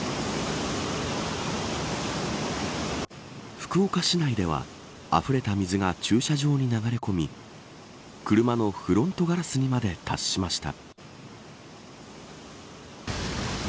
福岡市内ではあふれた水が駐車場に流れ込み車のフロントガラスにまで達しました。